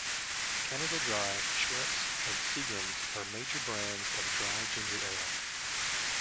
Canada Dry, Schweppes, and Seagram's are major brands of dry ginger ale.